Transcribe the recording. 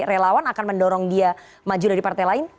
relawan akan mendorong dia maju dari partai lain